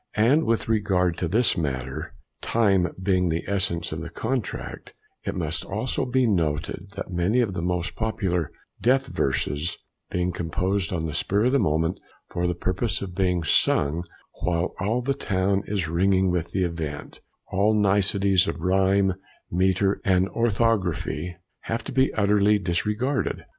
And with regard to this matter "Time being the essence of the contract," it must also be noted that many of the most popular "Death verses" being composed on the spur of the moment for the purpose of being sung while all the town is ringing with the event, all niceties of rhyme, metre, and orthography have to be utterly disregarded.